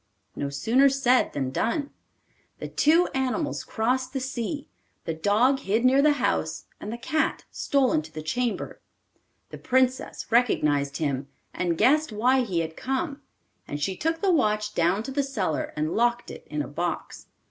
No sooner said than done. The two animals crossed the sea; the dog hid near the house, and the cat stole into the chamber. The Princess recognised him, and guessed why he had come; and she took the watch down to the cellar and locked it in a box.